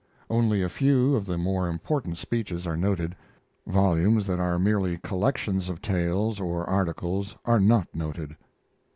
Only a few of the more important speeches are noted. Volumes that are merely collections of tales or articles are not noted.